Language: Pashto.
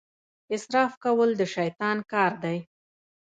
اسراف کول د شیطان کار دی.